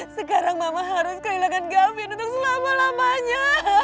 sekarang mama harus kehilangan gavin untuk selama lamanya